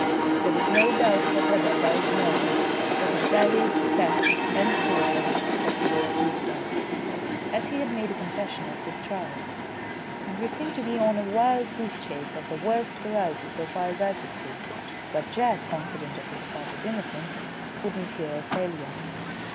There was no doubt whatever about the murder, or the various thefts and forgeries that he was accused of, as he had made a confession at his trial, and we seemed to be on a wild goose chase of the worst variety so far as I could see; but Jack, confident of his father's innocence, would not hear of failure.